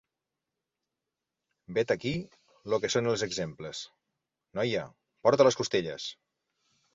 Vet-aquí lo que són els exemples. Noia, porta les costelles!